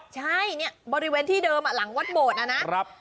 ใช่บริเวณที่เดิมหลังวัดบดนะ